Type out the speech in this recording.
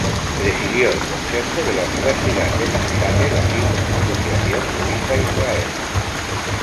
Presidió el Consejo de la Universidad de Neuchâtel, así como la Asociación Suiza-Israel.